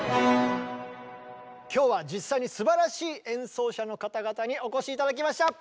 今日は実際にすばらしい演奏者の方々にお越し頂きました。